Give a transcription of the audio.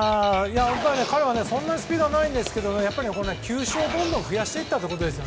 彼はそんなにスピードはないんですけどやっぱり球種をどんどん増やしていったということです。